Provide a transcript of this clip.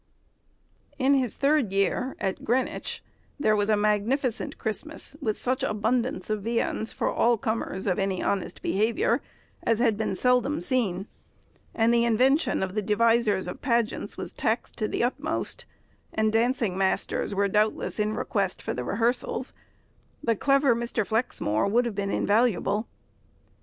] In his third year, at Greenwich, there was a magnificent Christmas, with such abundance of viands for all comers of any honest behaviour, as had been seldom seen; and the invention of the devisers of pageants was taxed to the utmost, and dancing masters were doubtless in request for the rehearsals; the clever Mr. Flexmore would have been invaluable.